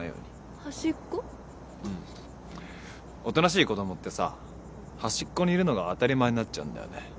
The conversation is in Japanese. おとなしい子供ってさ端っこにいるのが当たり前になっちゃうんだよね。